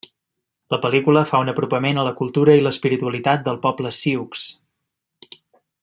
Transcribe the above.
La pel·lícula fa un apropament a la cultura i l'espiritualitat del poble sioux.